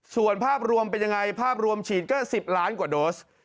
ส่วนภาพรวมเป็นยังไงภาพรวมฉีดก็๑๐ล้านกว่าโดส